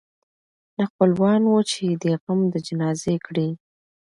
نه خپلوان وه چي دي غم د جنازې کړي